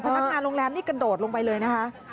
พนักงานโรงแรมนี่กระโดดลงไปเลยนะคะ